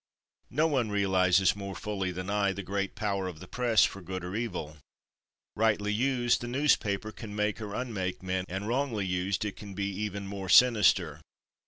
No one realizes more fully than I the great power of the press for good or evil. Rightly used the newspaper can make or unmake men, and wrongly used it can be even more sinister.